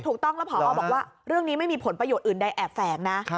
ถูกต้องแล้วพอบอกว่าเรื่องนี้ไม่มีผลประโยชน์อื่นใดแอบแฝงนะ